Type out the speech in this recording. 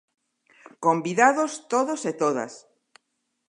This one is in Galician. Convidados todos e todas!